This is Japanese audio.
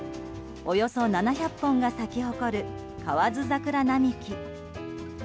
およそ７００本が咲き誇る河津桜並木。